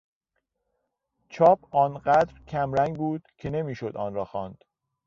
چاپ آنقدر کمرنگ بود که نمیشد آن را خواند.